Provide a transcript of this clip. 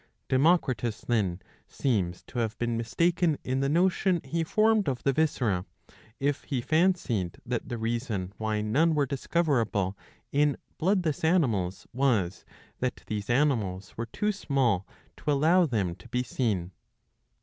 ^ Democritus then seems to have been mistaken in the notion he formed of the viscera, if he fancied that the reason why none were discoverable in bloodless animals was that these animals were too small to allow them to be seen.